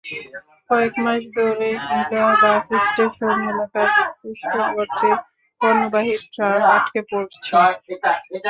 কয়েক মাস ধরে হ্নীলা বাসস্টেশন এলাকার সৃষ্ট গর্তে পণ্যবাহী ট্রাক আটকে পড়ছে।